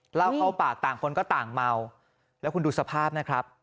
เหล้าเข้าปากต่างคนก็ต่างเมาแล้วคุณดูสภาพนะครับ